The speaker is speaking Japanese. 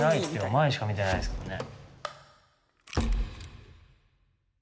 前しか見てないですからね。